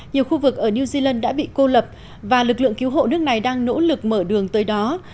nhiều khu vực ở new zealand đã bị cô lập và lực lượng cứu hộ nước này đang nỗ lực mở đường tới đó